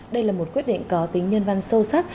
đây là một quyết định có tính nhân văn sâu sắc